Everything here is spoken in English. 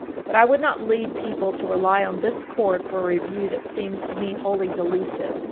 But I would not lead people to rely on this Court for a review that seems to me wholly delusive.